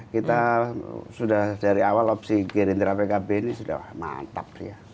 kita sudah dari awal opsi gerindra pkb ini sudah mantap